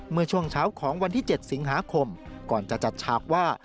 เมื่อช่วงเช้าของวันที่๗สิงหาคมก่อนจะจัดฉากว่า